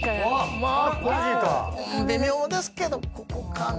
微妙ですけどここかな。